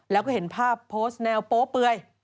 แล้วก็เห็นภาพโพสต์แนวโป๊เปื่อย